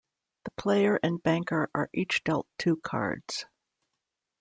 The Player and Banker are each dealt two cards.